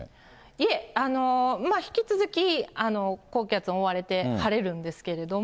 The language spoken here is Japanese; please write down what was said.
いえ、引き続き高気圧に覆われて晴れるんですけれども。